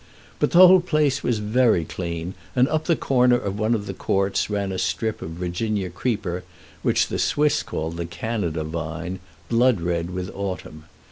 But the whole place was very clean, and up the corner of one of the courts ran a strip of Virginia creeper, which the Swiss call the Canada vine, blood red with autumn.